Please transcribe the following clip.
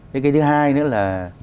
thế cái thứ hai nữa là